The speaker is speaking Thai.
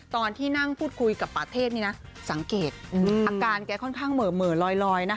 ตอนที่นั่งพูดคุยกับปาเทศนี่นะสังเกตอาการแกค่อนข้างเหม่อลอยนะคะ